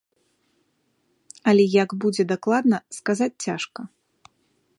Але як будзе дакладна, сказаць цяжка.